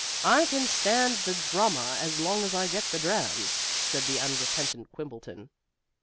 "I can stand the drama as long as I get the drams," said the unrepentant Quimbleton.